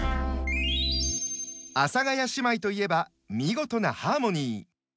阿佐ヶ谷姉妹といえば見事なハーモニー。